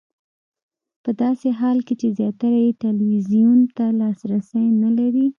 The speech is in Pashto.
په داسې حال کې چې زیاتره یې ټلویزیون ته لاسرسی نه لري.